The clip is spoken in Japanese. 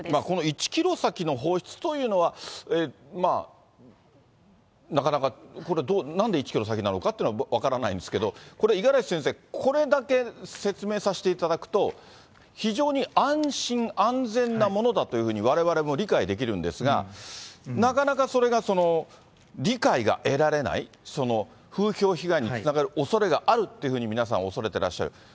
この１キロ先の放出というのは、なかなか、これ、なんで１キロ先なのかっていうのは、分からないんですけど、これ、五十嵐先生、これだけ説明させていただくと、非常に安心、安全なものだというふうに、われわれも理解できるんですが、なかなかそれが理解が得られない、風評被害につながるおそれがあるっていうふうに、皆さんおそれてらっしゃる。